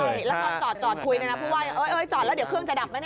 แล้วก็จอดคุยนะครับเพราะว่าจอดแล้วเดี๋ยวเครื่องจะดับไหมแน่